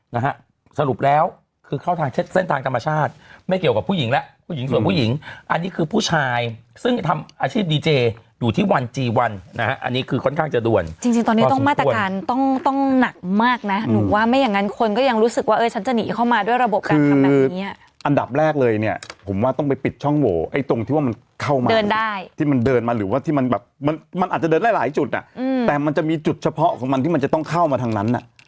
นะฮะสรุปแล้วคือเข้าทางเช็ดเส้นทางธรรมชาติไม่เกี่ยวกับผู้หญิงแล้วผู้หญิงส่วนผู้หญิงอันนี้คือผู้ชายซึ่งทำอาชีพดีเจอยู่ที่วันจีวันนะอันนี้คือค่อนข้างจะด่วนจริงต้องมาตรการต้องต้องหนักมากนะหนูว่าไม่อย่างนั้นคนก็ยังรู้สึกว่าเออฉันจะหนีเข้ามาด้วยระบบการทำแบบนี้อันดับแรกเลยเนี่ยผมว่า